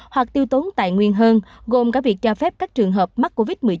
hoặc tiêu tốn tài nguyên hơn gồm cả việc cho phép các trường hợp mắc covid một mươi chín